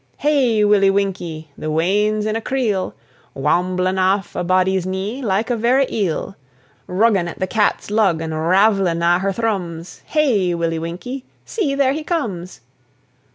Hey, Willie Winkie! the wean's in a creel! Waumblin' aff a body's knee like a vera eel, Ruggin' at the cat's lug, and ravellin' a' her thrums, Hey, Willie Winkie! See, there he comes!